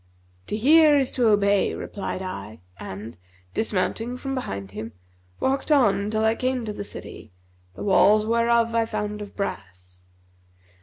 'To hear is to obey,' replied I and, dismounting from behind him, walked on till I came to the city, the walls whereof I found of brass.